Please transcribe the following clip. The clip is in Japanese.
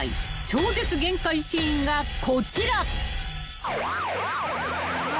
超絶限界シーンがこちら］